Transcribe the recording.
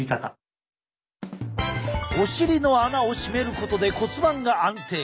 お尻の穴をしめることで骨盤が安定。